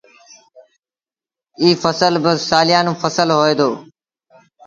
ايٚ ڦسل با سآليآݩون ڦسل هوئي دو۔